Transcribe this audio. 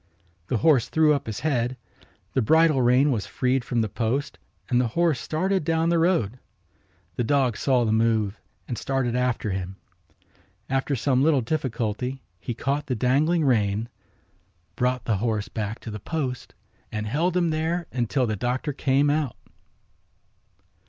The horse threw up his head, the bridle rein was freed from the post and the horse started down the road. The dog saw the move and started after him. After some little difficulty he caught the dangling rein, brought the horse back to the post and held him there until the doctor came out.